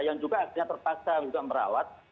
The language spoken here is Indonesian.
yang juga akhirnya terpaksa juga merawat